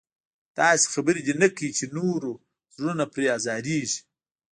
داسې خبره دې نه کوي چې نورو زړونه پرې ازارېږي.